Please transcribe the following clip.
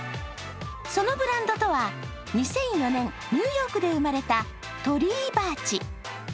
そのブランドとは２００４年、ニューヨークで生まれたトリーバーチ。